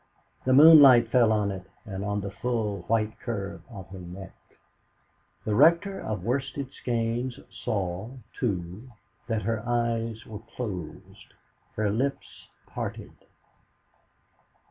The moonlight fell on it, and on the full, white curve of her neck. The Rector of Worsted Skeynes saw, too, that her eyes were closed, her lips parted.